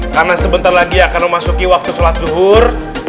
karena sebentar lagi akan memasuki waktu sholat zuhur